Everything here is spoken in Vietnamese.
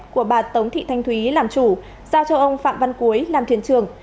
của bà tống thị thanh thúy làm chủ giao cho ông phạm văn cuối làm thuyền trường